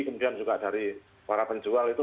kemudian juga dari para penjual itu